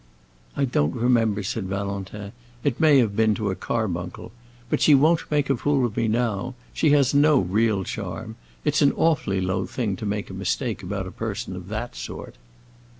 "I don't remember," said Valentin, "it may have been to a carbuncle! But she won't make a fool of me now. She has no real charm. It's an awfully low thing to make a mistake about a person of that sort."